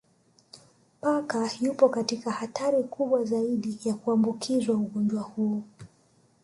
Paka yuko katika hatari kubwa zaidi ya kuambukizwa ugonjwa huu